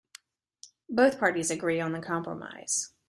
Both parties agree on the compromise.